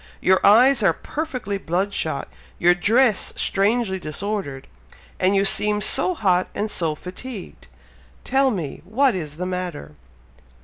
Your eyes are perfectly blood shot your dress strangely disordered and you seem so hot and so fatigued! Tell me! what is the matter?"